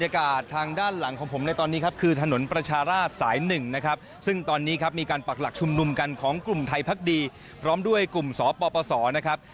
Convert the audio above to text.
ข้างด้านหลังคือถนนประชาราชสาย๑ซึ่งตอนนี้มีการปรักหลักชมนุมกันของกลุ่มไทยพักดีพร้อมด้วยกลุ่มสปสซนะครับ